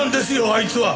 あいつは！